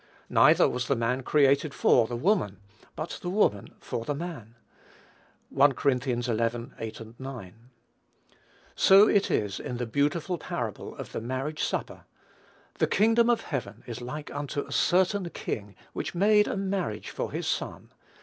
Neither was the man created for the woman; but the woman for the man." (1 Cor. xi. 8, 9.) So it is in the beautiful parable of the marriage supper; "the kingdom of heaven is like unto a certain king which made a marriage for his son."